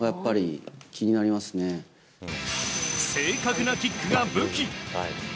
正確なキックが武器。